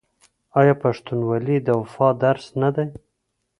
آیا پښتونولي د وفا درس نه دی؟